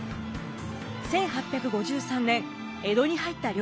１８５３年江戸に入った龍馬。